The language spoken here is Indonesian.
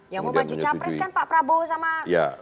yang memacu capres kan pak prabowo sama